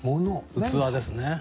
器ですね。